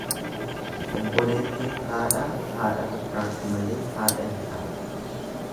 Obboleettiin haadhaa haadha fakkaatti malee haadha hin taatu.